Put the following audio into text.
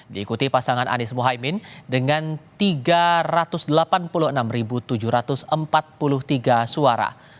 diikuti pasangan anies mohaimin dengan tiga ratus delapan puluh enam tujuh ratus empat puluh tiga suara